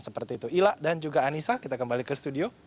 seperti itu ila dan juga anissa kita kembali ke studio